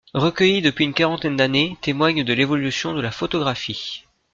Recueillis depuis une quarantaine d'années, témoignent de l'évolution de la photographie.